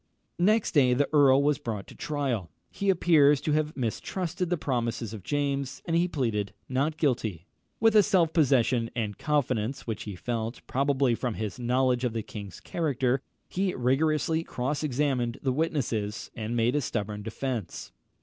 Next day the earl was brought to trial. He appears to have mistrusted the promises of James, and he pleaded not guilty. With a self possession and confidence which he felt, probably, from his knowledge of the king's character, he rigorously cross examined the witnesses, and made a stubborn defence.